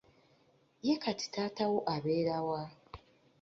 Ye kati taata wo abeera wa?